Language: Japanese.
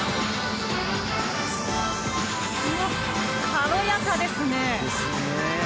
軽やかですね。